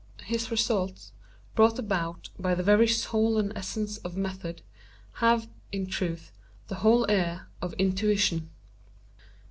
His results, brought about by the very soul and essence of method, have, in truth, the whole air of intuition.